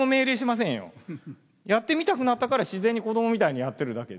やってみたくなったから自然に子供みたいにやってるだけで。